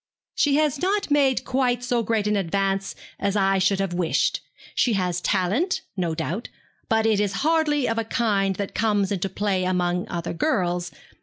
'She has not made quite so great an advance as I should have wished. She has talent, no doubt; but it is hardly of a kind that comes into play among other girls.